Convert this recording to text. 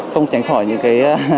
không tránh khỏi những cái